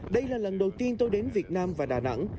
đây là lần đầu tiên tôi đến việt nam và đà nẵng